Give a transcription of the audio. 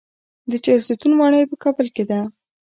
د چهلستون ماڼۍ په کابل کې ده